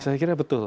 saya kira betul